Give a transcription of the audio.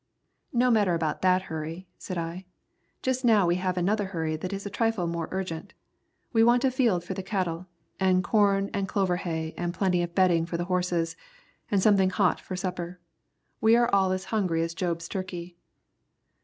"No matter about that hurry," said I. "Just now we have another hurry that is a trifle more urgent. We want a field for the cattle, and corn and clover hay and plenty of bedding for the horses, and something hot for supper. We are all as hungry as Job's turkey."